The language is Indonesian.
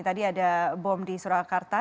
tadi ada bom di surakarta